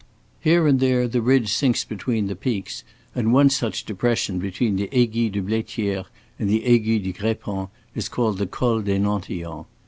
Here and there the ridge sinks between the peaks, and one such depression between the Aiguille de Blaitière and the Aiguille du Grépon is called the Col des Nantillons.